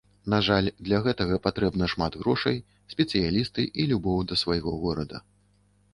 На жаль, для гэтага патрэбна шмат грошай, спецыялісты і любоў да свайго горада.